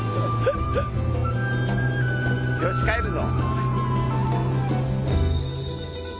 よし帰るぞ。